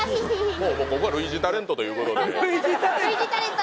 もうここは類似タレントということで類似タレント？